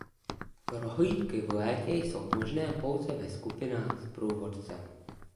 Prohlídky v létě jsou možné pouze ve skupinách s průvodcem.